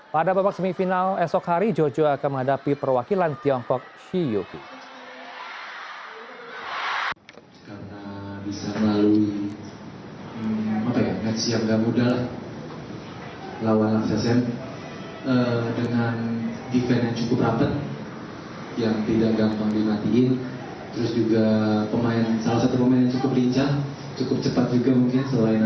pada babak semifinal esok hari jojo akan menghadapi perwakilan tiongkok shi yuki